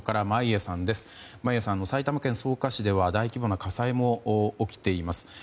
眞家さん、埼玉県草加市では大規模な火災も起きています。